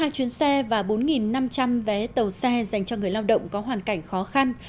hai chuyến xe và bốn năm trăm linh vé tàu xe dành cho người lao động có hoàn cảnh khó khăn